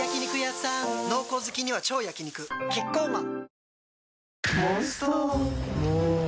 濃厚好きには超焼肉キッコーマン